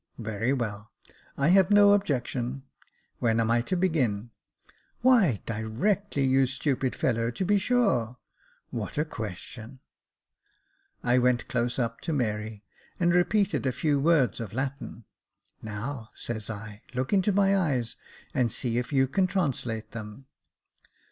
" Very well, I have no objection ; when am I to begin ?" "Why, directly, you stupid fellow, to be sure. What a question !" I went close up to Mary, and repeated a few words of Latin. "Now," says I, "look into my eyes, and see if you can translate them."